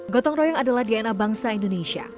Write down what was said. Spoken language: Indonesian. gotong royong adalah dna bangsa indonesia